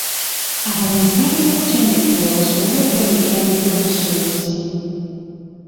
Abalenzi balina okutendekebwa basobole okwenyigira mu by'obusuubuzi.